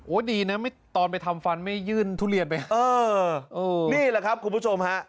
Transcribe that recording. ดีนะตอนไปทำฟันไม่ยื่นทุเรียนไปเออนี่แหละครับคุณผู้ชมฮะ